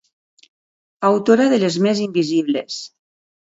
Autora de Les Més Invisibles: